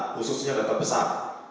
khususnya data besar